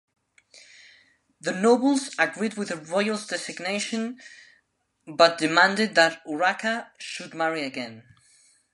The nobles agreed with the royal designation but demanded that Urraca should marry again.